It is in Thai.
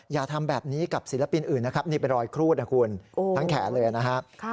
อย่าทำแบบนี้กับศิลปินอื่นนะครับนี่เป็นรอยครูดนะคุณทั้งแขนเลยนะครับ